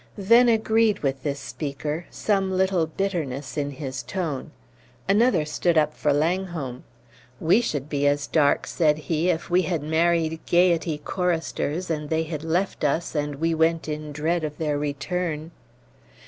Venn agreed with this speaker, some little bitterness in his tone. Another stood up for Langholm. "We should be as dark," said he, "if we had married Gayety choristers, and they had left us, and we went in dread of their return!"